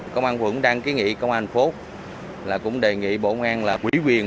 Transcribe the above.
công an quận đang ký nghị công an phố cũng đề nghị bộ công an quỷ quyền